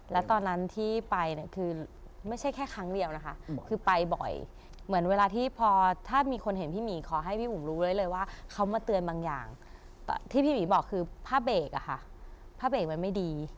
แล้วตอนนั้นที่ไปเนี่ยคือไม่ใช่แค่ครั้งเดียวนะคะคือไปบ่อยเหมือนเวลาที่พอถ้ามีคนเห็นพี่หมีขอให้พี่อุ๋มรู้ได้เลยว่าเขามาเตือนบางอย่างที่พี่หมีบอกคือผ้าเบรกอะค่ะผ้าเบรกมันไม่ดี